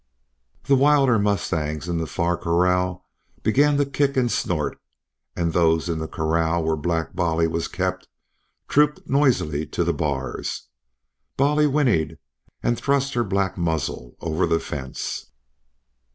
The wilder mustangs in the far corral began to kick and snort, and those in the corral where Black Bolly was kept trooped noisily to the bars. Bolly whinnied and thrust her black muzzle over the fence.